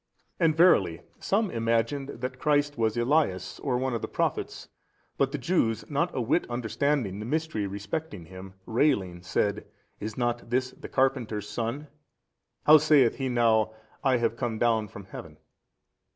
And verily some imagined that Christ was Elias or one of the Prophets, but the Jews, not a whit understanding the mystery respecting Him, railing said, Is not this the carpenter's son 56? how saith He now, I have come down from heaven?